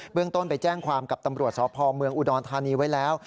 เรื่องต้นไปแจ้งความกับตำรวจสพเมืองอุดรธานีไว้แล้ว